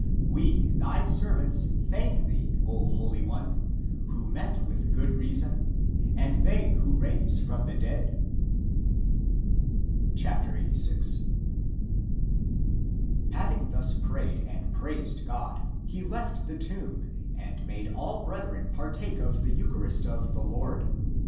We, thy servants, thank thee, O Holy One, ACTS OF JOHN 175 who met with (good) reason, and they who raise (from the dead). 86. Having thus prayed and praised God, he left the tomb and made all brethren partake of the eu charist of the Lord.